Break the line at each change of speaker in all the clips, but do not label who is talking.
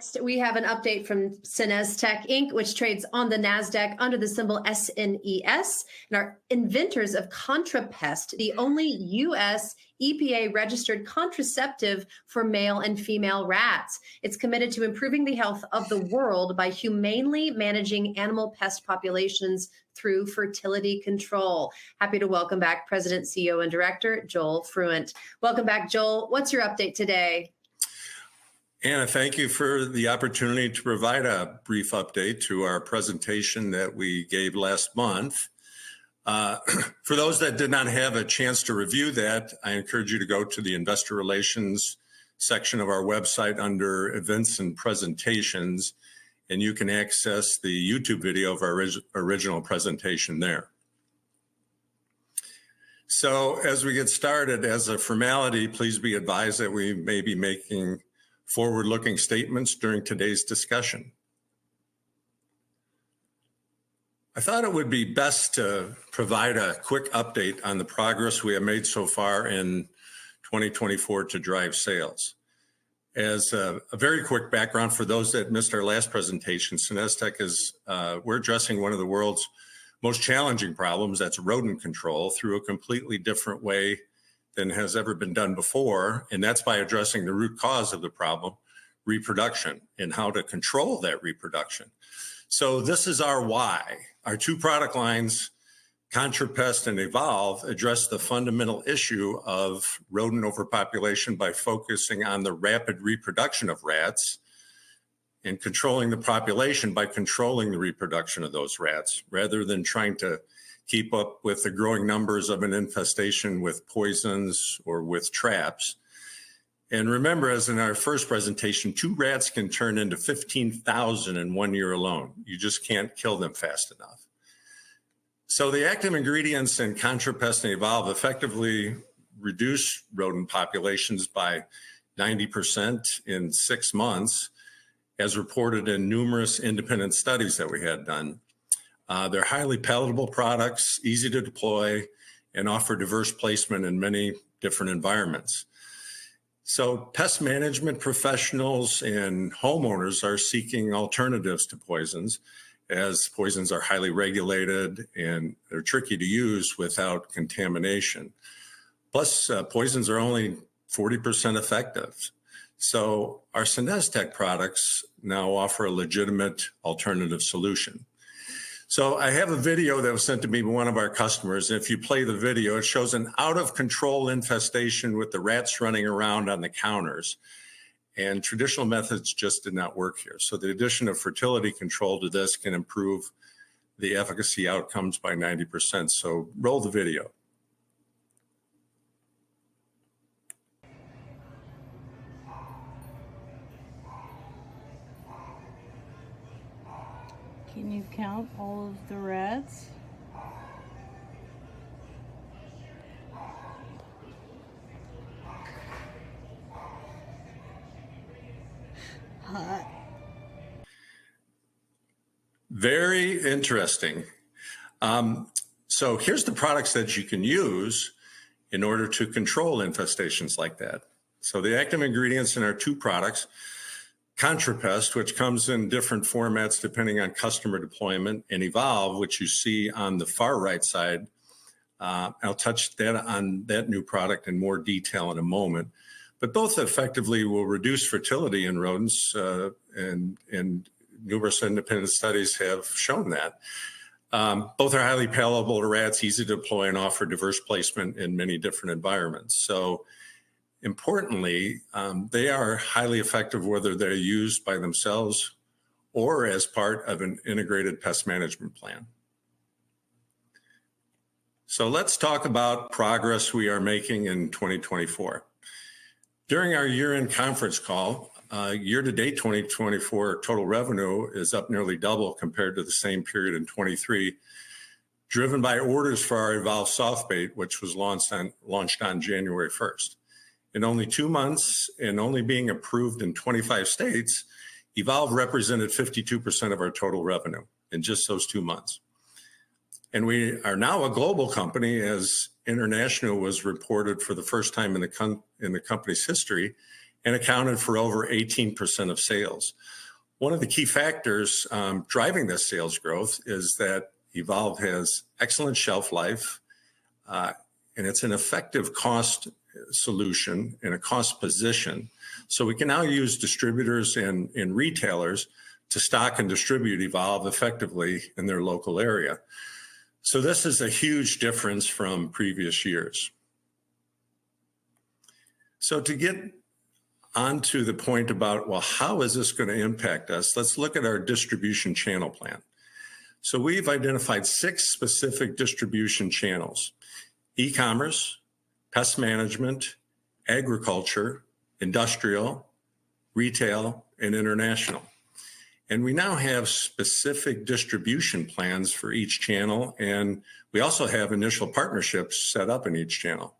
Next, we have an update from SenesTech Inc., which trades on the Nasdaq under the symbol SNES, and our inventors of ContraPest, the only U.S. EPA-registered contraceptive for male and female rats. It's committed to improving the health of the world by humanely managing animal pest populations through fertility control. Happy to welcome back President, CEO, and Director Joel Fruendt. Welcome back, Joel. What's your update today?
Anna, thank you for the opportunity to provide a brief update to our presentation that we gave last month. For those that did not have a chance to review that, I encourage you to go to the Investor Relations section of our website under Events and Presentations, and you can access the YouTube video of our original presentation there. As we get started, as a formality, please be advised that we may be making forward-looking statements during today's discussion. I thought it would be best to provide a quick update on the progress we have made so far in 2024 to drive sales. As a very quick background for those that missed our last presentation, SenesTech, we're addressing one of the world's most challenging problems, that's rodent control, through a completely different way than has ever been done before, and that's by addressing the root cause of the problem, reproduction, and how to control that reproduction. So this is our why. Our two product lines, ContraPest and Evolve, address the fundamental issue of rodent overpopulation by focusing on the rapid reproduction of rats and controlling the population by controlling the reproduction of those rats, rather than trying to keep up with the growing numbers of an infestation with poisons or with traps. And remember, as in our first presentation, two rats can turn into 15,000 in one year alone. You just can't kill them fast enough. So the active ingredients in ContraPest and Evolve effectively reduce rodent populations by 90% in six months, as reported in numerous independent studies that we had done. They're highly palatable products, easy to deploy, and offer diverse placement in many different environments. So pest management professionals and homeowners are seeking alternatives to poisons, as poisons are highly regulated and they're tricky to use without contamination. Plus, poisons are only 40% effective. So our SenesTech products now offer a legitimate alternative solution. So I have a video that was sent to me by one of our customers, and if you play the video, it shows an out-of-control infestation with the rats running around on the counters, and traditional methods just did not work here. So the addition of fertility control to this can improve the efficacy outcomes by 90%. So roll the video.
Can you count all of the rats?
Very interesting. So here's the products that you can use in order to control infestations like that. So the active ingredients in our two products, ContraPest, which comes in different formats depending on customer deployment, and Evolve, which you see on the far right side, I'll touch on that new product in a moment. But both effectively will reduce fertility in rodents, and numerous independent studies have shown that. Both are highly palatable to rats, easy to deploy, and offer diverse placement in many different environments. So importantly, they are highly effective whether they're used by themselves or as part of an integrated pest management plan. So let's talk about progress we are making in 2024. During our year-end conference call, year-to-date 2024 total revenue is up nearly double compared to the same period in 2023, driven by orders for our Evolve soft bait, which was launched on January 1st. In only two months and only being approved in 25 states, Evolve represented 52% of our total revenue in just those two months. We are now a global company, as international was reported for the first time in the company's history, and accounted for over 18% of sales. One of the key factors driving this sales growth is that Evolve has excellent shelf life, and it's an effective cost solution and a cost position. So we can now use distributors and retailers to stock and distribute Evolve effectively in their local area. This is a huge difference from previous years. To get onto the point about, well, how is this going to impact us, let's look at our distribution channel plan. We've identified six specific distribution channels: e-commerce, pest management, agriculture, industrial, retail, and international. We now have specific distribution plans for each channel, and we also have initial partnerships set up in each channel.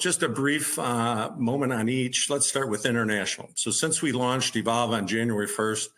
Just a brief moment on each. Let's start with international. Since we launched Evolve on January 1st,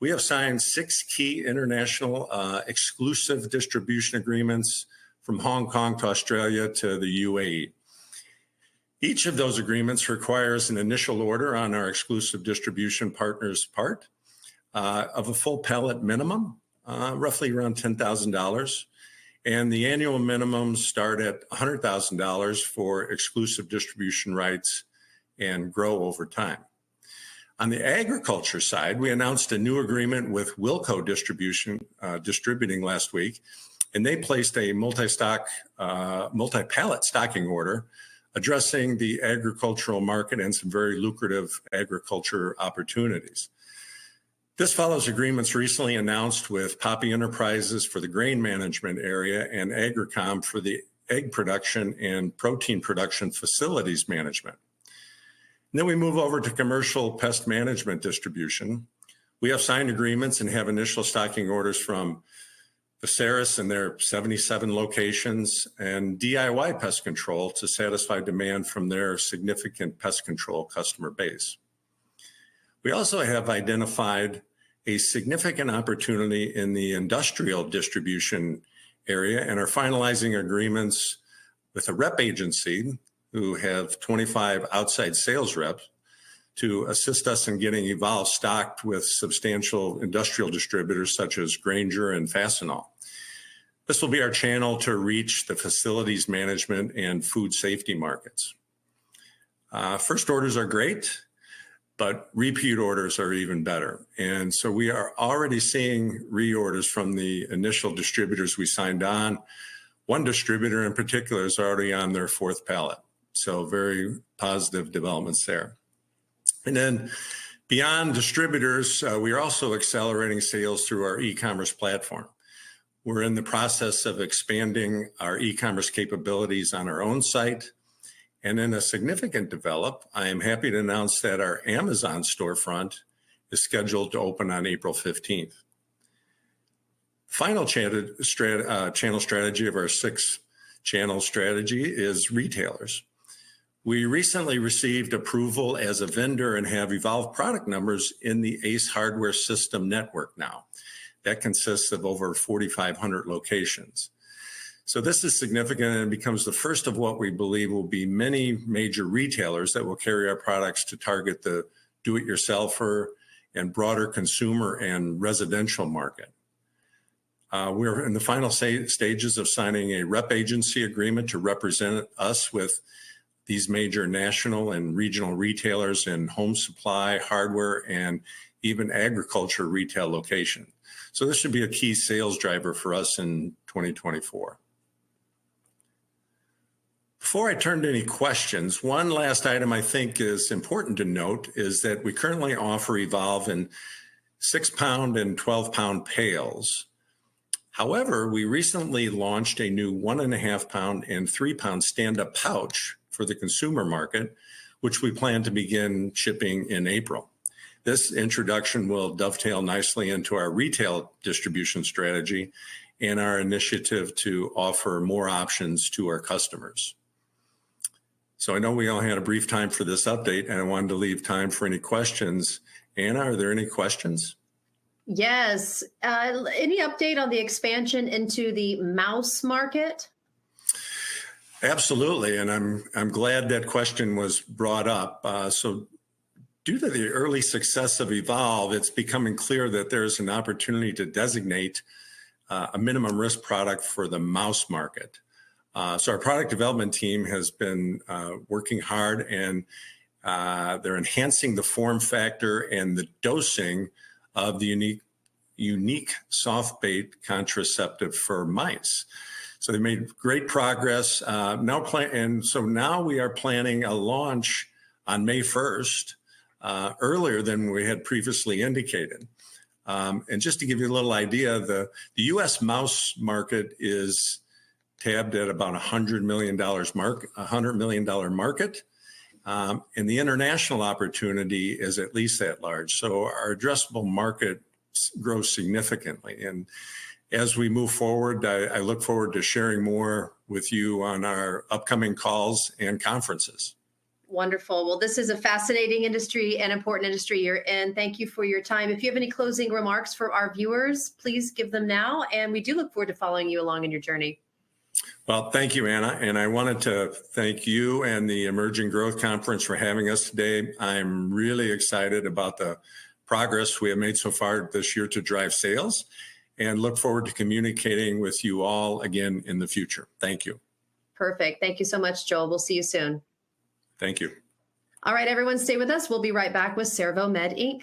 we have signed six key international exclusive distribution agreements from Hong Kong to Australia to the UAE. Each of those agreements requires an initial order on our exclusive distribution partners' part of a full pallet minimum, roughly around $10,000, and the annual minimums start at $100,000 for exclusive distribution rights and grow over time. On the agriculture side, we announced a new agreement with Wilco Distributors distributing last week, and they placed a multi-pallet stocking order addressing the agricultural market and some very lucrative agriculture opportunities. This follows agreements recently announced with Poppe Enterprises for the grain management area and AgriCom for the egg production and protein production facilities management. And then we move over to commercial pest management distribution. We have signed agreements and have initial stocking orders from Veseris and their 77 locations and DIY Pest Control to satisfy demand from their significant pest control customer base. We also have identified a significant opportunity in the industrial distribution area and are finalizing agreements with a rep agency who have 25 outside sales reps to assist us in getting Evolve stocked with substantial industrial distributors such as Grainger and Fastenal. This will be our channel to reach the facilities management and food safety markets. First orders are great, but repeat orders are even better. And so we are already seeing reorders from the initial distributors we signed on. One distributor in particular is already on their fourth pallet. So very positive developments there. And then beyond distributors, we are also accelerating sales through our e-commerce platform. We're in the process of expanding our e-commerce capabilities on our own site. And in a significant development, I am happy to announce that our Amazon storefront is scheduled to open on April 15th. Final channel strategy of our six-channel strategy is retailers. We recently received approval as a vendor and have Evolve product numbers in the Ace Hardware System Network now. That consists of over 4,500 locations. So this is significant and becomes the first of what we believe will be many major retailers that will carry our products to target the do-it-yourselfer and broader consumer and residential market. We are in the final stages of signing a rep agency agreement to represent us with these major national and regional retailers in home supply, hardware, and even agriculture retail locations. So this should be a key sales driver for us in 2024. Before I turn to any questions, one last item I think is important to note is that we currently offer Evolve in 6-pound and 12-pound pails. However, we recently launched a new 1.5-pound and 3-pound standup pouch for the consumer market, which we plan to begin shipping in April. This introduction will dovetail nicely into our retail distribution strategy and our initiative to offer more options to our customers. I know we all had a brief time for this update, and I wanted to leave time for any questions. Anna, are there any questions?
Yes. Any update on the expansion into the mouse market?
Absolutely. And I'm glad that question was brought up. So due to the early success of Evolve, it's becoming clear that there's an opportunity to designate a minimum risk product for the mouse market. So our product development team has been working hard, and they're enhancing the form factor and the dosing of the unique soft bait contraceptive for mice. So they made great progress. And so now we are planning a launch on May 1st earlier than we had previously indicated. And just to give you a little idea, the U.S. mouse market is tabbed at about a $100 million market, and the international opportunity is at least that large. So our addressable market grows significantly. And as we move forward, I look forward to sharing more with you on our upcoming calls and conferences.
Wonderful. Well, this is a fascinating industry and important industry you're in. Thank you for your time. If you have any closing remarks for our viewers, please give them now. We do look forward to following you along in your journey.
Well, thank you, Anna. I wanted to thank you and the Emerging Growth Conference for having us today. I'm really excited about the progress we have made so far this year to drive sales and look forward to communicating with you all again in the future. Thank you.
Perfect. Thank you so much, Joel. We'll see you soon.
Thank you.
All right, everyone. Stay with us. We'll be right back with Cervomed Inc.